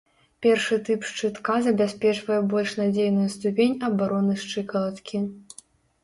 Першы тып шчытка забяспечвае больш надзейную ступень абароны шчыкалаткі.